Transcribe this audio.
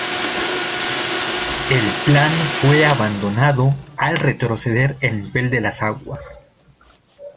El plan fue abandonado al retroceder el nivel de las aguas.